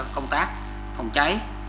công tác phòng chảy